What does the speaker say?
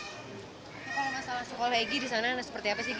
kalau masalah sekolah egy disana seperti apa sih egy